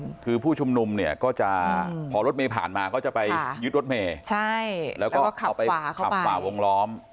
ก็คือผู้ชมุมเนี่ยก็จะพอรถเมผ่านมาก็จะไปยึดรถเมค่ะใช่แล้วขับฝาเข้าไปขับผ่าวงล้อม